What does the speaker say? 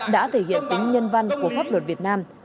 đã thể hiện tính nhân văn của pháp luật việt nam